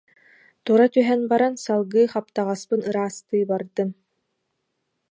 Тура түһэн баран салгыы хаптаҕаспын ыраастыы бардым